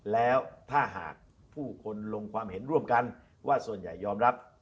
แล้วถ้าหากผู้คนลงความเห็นร่วมกันว่าส่วนใหญ่ยอมรับ